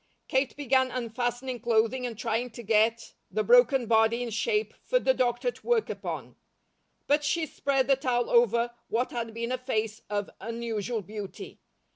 Kate began unfastening clothing and trying to get the broken body in shape for the doctor to work upon; but she spread the towel over what had been a face of unusual beauty.